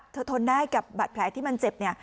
เธอทนได้กับบาดแผลที่มันเจ็บ